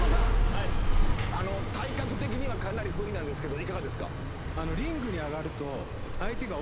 はい体格的にはかなり不利なんですけどいかがですか？